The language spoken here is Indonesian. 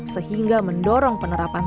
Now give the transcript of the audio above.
sehingga mendorong penerbangan